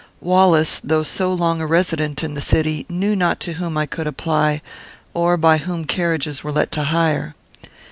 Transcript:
Wallace, though so long a resident in the city, knew not to whom I could apply, or by whom carriages were let to hire.